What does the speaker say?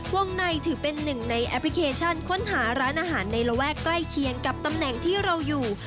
วงในถือเป็นหนึ่งในแอปพลิเคชันค้นหาร้านอาหารในระแวกใกล้เคียงกับตำแหน่งที่เราอยู่